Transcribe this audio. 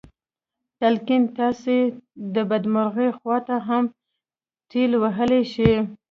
تلقين تاسې د بدمرغۍ خواته هم ټېل وهلی شي.